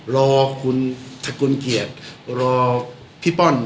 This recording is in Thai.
รอทคุณเกียรติรอพี่ป้อนเนอะ